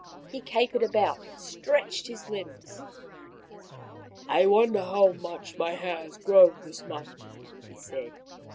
He capered about and stretched his limbs. " I wonder how much my hair has grown this month," he said.